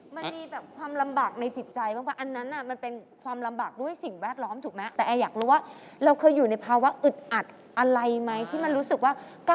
มีความลำบากในจิตใจบ้าง